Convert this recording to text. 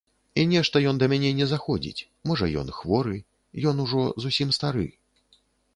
І нешта ён да мяне не заходзіць, можа, ён хворы, ён ужо зусім стары.